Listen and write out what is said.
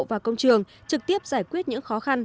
và công trường trực tiếp giải quyết những khó khăn